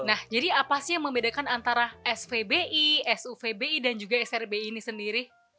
nah jadi apa sih yang membedakan antara svbi suvbi dan juga srbi ini sendiri